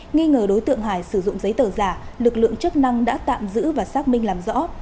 nghi ngờ đối tượng hải sử dụng giấy tờ giả lực lượng chức năng đã tạm giữ và xác minh làm rõ